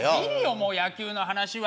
もう野球の話は！